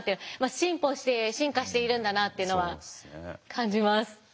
進歩して進化しているんだなというのは感じます。